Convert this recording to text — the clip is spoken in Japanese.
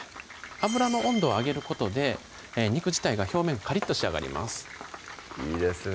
油の温度を上げることで肉自体が表面カリッと仕上がりますいいですね